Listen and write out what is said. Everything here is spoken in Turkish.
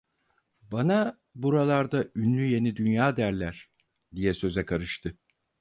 Bana buralarda ünlü Yeni Dünya derler diye söze karıştı.